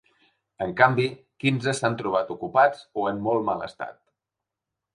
En canvi, quinze s’han trobat ocupats o en molt mal estat.